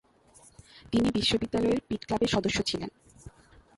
তিনি বিশ্ববিদ্যালয়ের পিট ক্লাবের সদস্য ছিলেন।